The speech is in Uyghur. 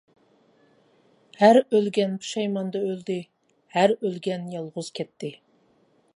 ھەر ئۆلگەن پۇشايماندا ئۆلدى، ھەر ئۆلگەن يالغۇز كەتتى.